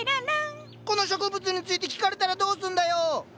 この植物について聞かれたらどうすんだよ！